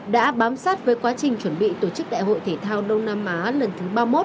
đã bám sát với quá trình chuẩn bị tổ chức đại hội thể thao đông nam á lần thứ ba mươi một